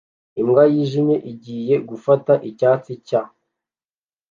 Imbwa yijimye igiye gufata icyatsi cya